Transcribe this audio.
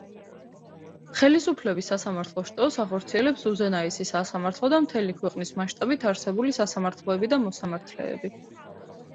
ხელისუფლების სასამართლო შტოს ახორციელებს უზენაესი სასამართლო და მთელი ქვეყნის მასშტაბით არსებული სასამართლოები და მოსამართლეები.